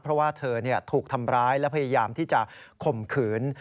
เพราะว่าเธอถูกทำร้ายและพยายามที่จะข่มขืน